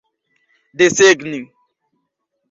desegni